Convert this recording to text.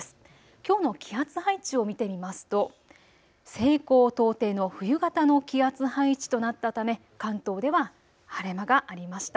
きょうの気圧配置を見てみますと西高東低の冬型の気圧配置となったため関東では晴れ間がありました。